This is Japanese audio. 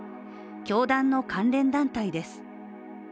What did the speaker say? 教団の関連団体です。